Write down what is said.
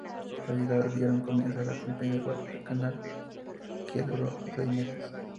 Las llegadas dieron comienzo a la Campaña de Guadalcanal, que duró seis meses.